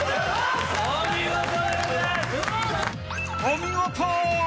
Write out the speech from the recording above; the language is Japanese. ［お見事！］